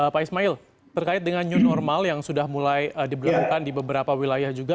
pak ismail terkait dengan new normal yang sudah mulai diberlakukan di beberapa wilayah juga